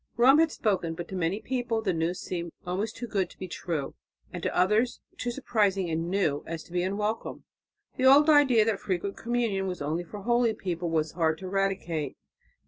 Rome had spoken, but to many people the news seemed almost too good to be true, and to others so surprising and "new" as to be unwelcome. The old idea that frequent communion was only for holy people was hard to eradicate.